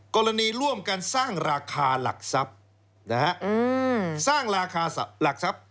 ร่วมกันสร้างราคาหลักทรัพย์สร้างราคาหลักทรัพย์